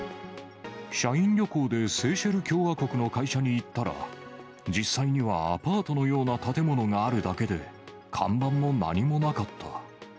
社員旅行でセーシェル共和国の会社に行ったら、実際にはアパートのような建物があるだけで、看板も何もなかった。